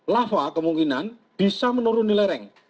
lava kemungkinan bisa menuruni lereng